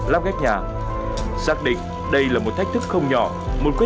lắp ghép nhà xác định đây là một thách thức không nhỏ một quyết tâm rất lớn cần có sức khỏe